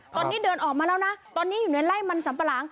ตอนนี้เดินออกมาแล้วนะตอนนี้อยู่ในไล่มันสัมปะหลัง